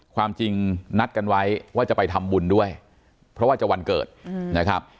ความจริงนัดกันไว้ว่าจะไปทำบุญด้วยเพราะว่าจะวันเกิดนะครับ